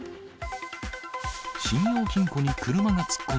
信用金庫に車が突っ込む。